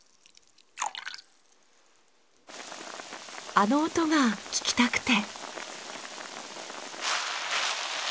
あの音が聞きたくて。